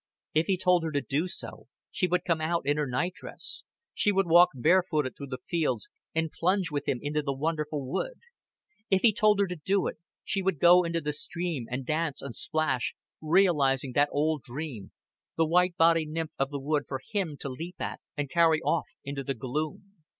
If he told her to do so, she would come out in her night dress she would walk bare footed through the fields, and plunge with him into the wonderful wood. If he told her to do it, she would go into the stream, and dance and splash realizing that old dream the white bodied nymph of the wood for him to leap at and carry off into the gloom.